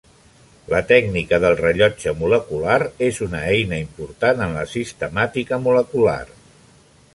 La tècnica del rellotge molecular és una eina important en la sistemàtica molecular.